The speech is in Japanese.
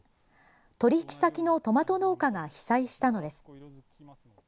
取引先のトマト農家が被災したのです。